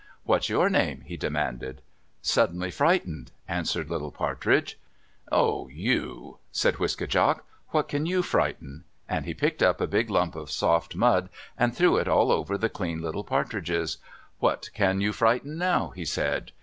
"What's your name?" he demanded. "Suddenly Frightened," answered little partridge. "Oh, you!" said Wiske djak, "what can you frighten?" And he picked up a big lump of soft mud and threw it all over the clean little partridges. "What can you frighten now?" he said.